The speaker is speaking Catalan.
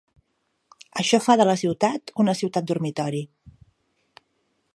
Això fa de la ciutat una ciutat dormitori.